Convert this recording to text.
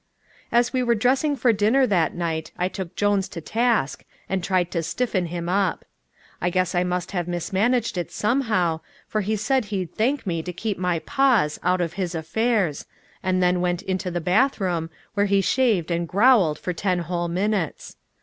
As we were dressing for dinner that night I took Jones to task, and tried to stiffen him up. I guess I must have mismanaged it somehow, for he said he'd thank me to keep my paws out of his affairs, and then went into the bath room, where he shaved and growled for ten whole minutes.